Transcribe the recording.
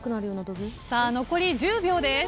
さあ残り１０秒です。